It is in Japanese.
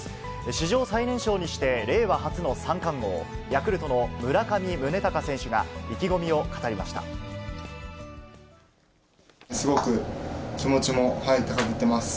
史上最年少にして、令和初の三冠王、ヤクルトの村上宗隆選手が意すごく気持ちも高ぶってます。